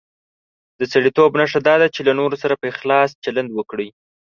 د سړیتوب نښه دا ده چې له نورو سره په اخلاص چلند وکړي.